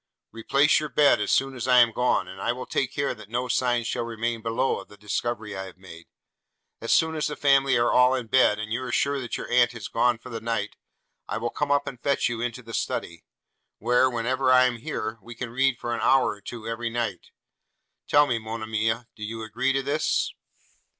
'Replace your bed as soon as I am gone, and I will take care that no signs shall remain below of the discovery I have made. As soon as the family are all in bed, and you are sure your aunt is gone for the night, I will come up and fetch you into the study; where, whenever I am here, we can read for an hour or two every night: tell me, Monimia, do you agree to this?'